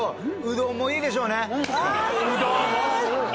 うどんもいいでしょ。